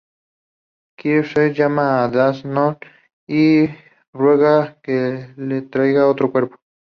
Kirshner llama a Desmond y le ruega que le traiga otro cuerpo.